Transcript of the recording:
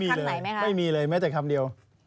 มีเลยไม่มีเลยแม้แต่คำเดียว